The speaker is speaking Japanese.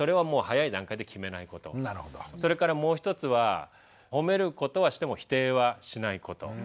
それからもう一つはほめることはしても否定はしないこと。